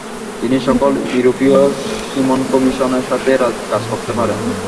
তিনি সকল ইউরোপীয় সীমন কমিশনের সাথে কাজ করতে পারেন।